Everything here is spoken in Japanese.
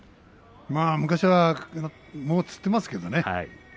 昔だともう、つってますけどね。